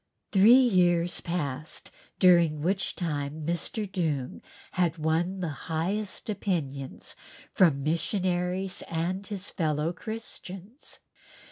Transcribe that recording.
Three years passed during which time Mr. Doong had won the highest opinions from missionaries and his fellow Christians.